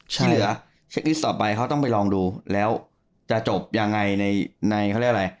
เช็คลิสต์ต่อไปเขาต้องไปลองดูแล้วจะจบยังไงในเขาเรียกว่าอะไร